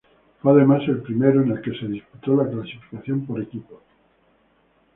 Fue además el primero en el que se disputó la clasificación por equipos.